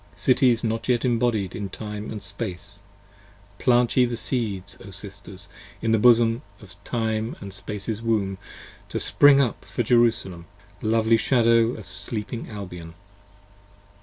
Cities not yet embodied in Time and Space: plant ye The Seeds, O Sisters, in the bosom of Time & Space's womb To spring up for Jerusalem: lovely Shadow of Sleeping Albion.